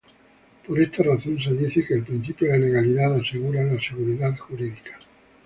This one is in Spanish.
Por esta razón se dice que el principio de legalidad asegura la seguridad jurídica.